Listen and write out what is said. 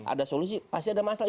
ada solusi pasti ada masalah